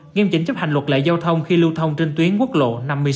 nghiêm chỉnh chấp hành luật lệ giao thông khi lưu thông trên tuyến quốc lộ năm mươi sáu